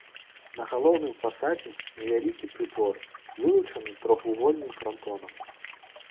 На галоўным фасадзе невялікі прытвор, вылучаны трохвугольным франтонам.